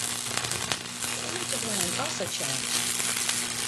The image of women also changed.